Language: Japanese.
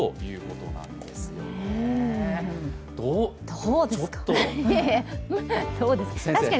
どうですか。